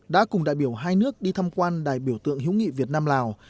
đã cùng đại biểu hai nước đi thăm quan đài biểu tượng hữu nghị việt nam lào